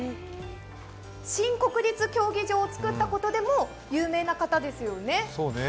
新国立競技場をつくったことでも有名な方ですよね。